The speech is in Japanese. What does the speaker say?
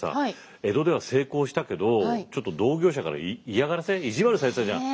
江戸では成功したけどちょっと同業者から嫌がらせ意地悪されてたじゃん。